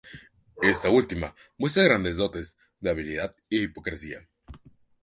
Esta última muestra grandes dotes de habilidad e hipocresía.